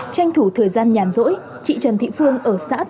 tranh thủ thời gian nhàn rỗi chị trần thị phương ở xã thịnh phương